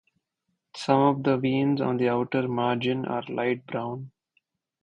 Some of the veins on the outer margin are light brown.